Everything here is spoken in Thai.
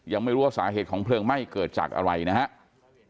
ยังไม่รู้ว่าสาเหตุของเพลิงไหม้เกิดจากอะไรนะครับ